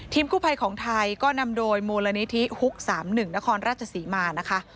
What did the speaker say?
กู้ภัยของไทยก็นำโดยมูลนิธิฮุก๓๑นครราชศรีมานะคะ